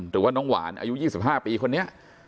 หรือว่าน้องหวานอายุ๒๕ปีคนนี้